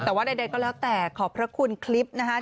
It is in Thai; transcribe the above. แต่ว่าใดก็แล้วแต่ขอบพระคุณคลิปนะคะ